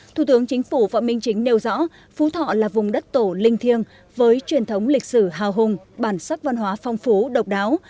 thủ tướng chính phủ phạm minh chính nêu rõ phú thọ là vùng đất tổ linh thiêng với truyền thống lịch sử hào hùng bản sắc văn hóa phong phú độc đáo